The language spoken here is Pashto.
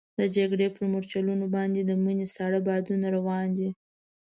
د جګړې پر مورچلونو باندې د مني ساړه بادونه روان دي.